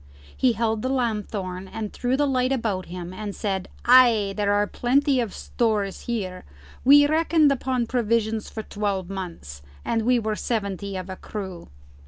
He held the lanthorn and threw the light around him and said, "Ay, there are plenty of stores here. We reckoned upon provisions for twelve months, and we were seventy of a crew."